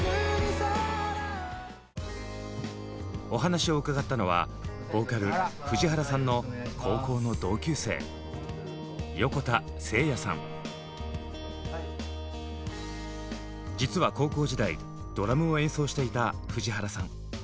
お話を伺ったのはボーカル藤原さんの高校の同級生実は高校時代ドラムを演奏していた藤原さん。